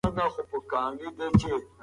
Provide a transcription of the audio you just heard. هلک په خندا سره د انا پر اوږو لاسونه کېښودل.